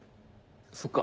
そっか。